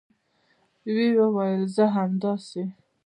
یوې وویل: زه همداسې